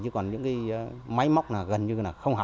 chứ còn những cái máy móc là gần như là không hạ